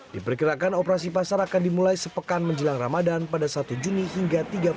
diperkirakan operasi pasar akan dimulai sepekan menjelang ramadan pada satu juni hingga tiga puluh